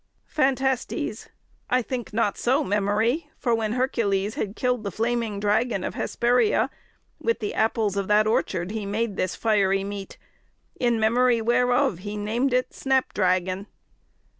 Phantastes. I think not so, Memory; for when Hercules had kill'd the flaming dragon of Hesperia, with the apples of that orchard he made this fiery meat; in memory whereof he named it snapdragon.